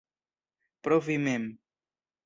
Pro vi mem.